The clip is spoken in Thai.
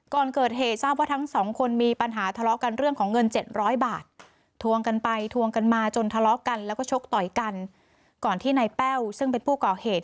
ก่อนที่นายแป้วซึ่งเป็นฟูก่อเหตุ